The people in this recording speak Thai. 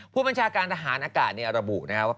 ผู้บัญชาการทหารอากาศระบุนะครับว่า